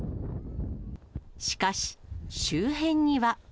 しかし、周辺には。